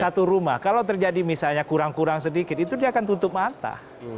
satu rumah kalau terjadi misalnya kurang kurang sedikit itu dia akan tutup mata